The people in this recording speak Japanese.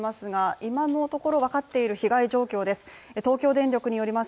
今のところ分かっている被害状況です。